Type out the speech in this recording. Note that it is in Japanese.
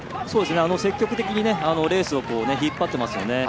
積極的にレースを引っ張ってますよね。